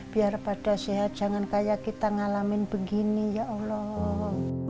biar pada sehat jangan kayak kita ngalamin begini ya allah